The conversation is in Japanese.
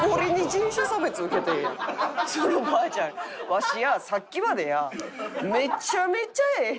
わしやさっきまでやめちゃめちゃええ